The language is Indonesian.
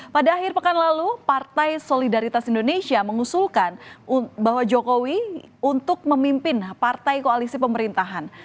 pada akhir pekan lalu partai solidaritas indonesia mengusulkan bahwa jokowi untuk memimpin partai koalisi pemerintahan